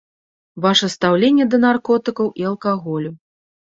Ваша стаўленне да наркотыкаў і алкаголю.